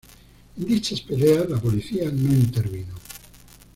En dichas peleas la policía no intervino.